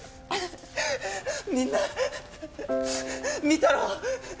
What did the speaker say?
みんな見たろ？